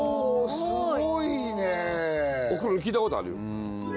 すごいねおふくろに聞いたことあるよ